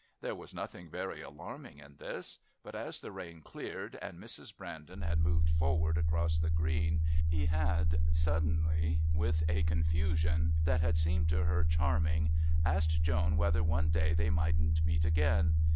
There was nothing very alarming in this, but as the rain cleared and Mrs. Brandon had moved forward across the Green, he had suddenly, with a confusion that had seemed to her charming, asked Joan whether one day they mightn't meet again.